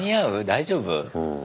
大丈夫？